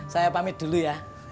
saya pamit dulu ya